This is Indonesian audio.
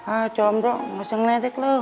ah combro ga usah ngeledek lu